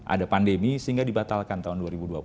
ada pandemi sehingga dibatalkan tahun dua ribu dua puluh